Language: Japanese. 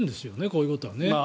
こういうことはね。